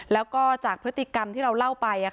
แล้วก็จากพฤติกรรมที่เราเล่าไป